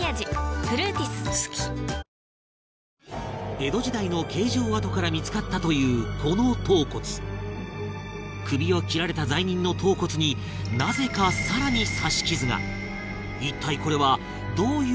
江戸時代の刑場跡から見付かったという、この頭骨首を斬られた罪人の頭骨になぜか、更に刺し傷が一体、これはどういう事なのか？